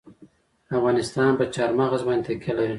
افغانستان په چار مغز باندې تکیه لري.